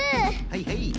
はいはい。